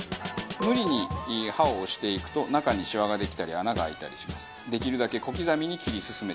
無理に刃を押していくと中にシワができたり穴が開いたりします。